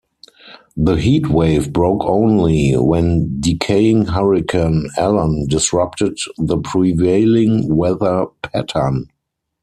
The heat wave broke only when decaying Hurricane Allen disrupted the prevailing weather pattern.